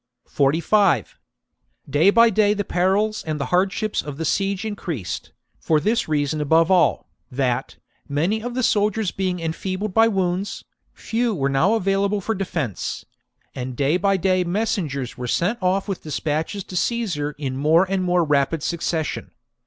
45. Day by day the perils and the hardships AGaiik of the siege increased, for this reason above all, a dispatch to that, many of the soldiers being enfeebled by wounds, few were now available for defence ; and day by day messengers were sent off with dis patches to Caesar in more and more rapid succession.